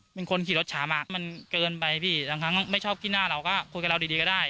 เป็นคนขี่รถช้ามากมันเกินไปพี่บางครั้งไม่ชอบกี้หน้าเราก็คุยกับเราดีก็ได้